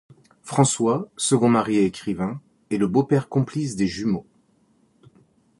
François, second mari et écrivain, est le beau-père complice des jumeaux.